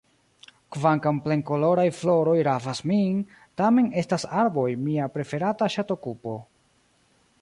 Kvankam plenkoloraj floroj ravas min, tamen estas arboj mia preferata ŝatokupo.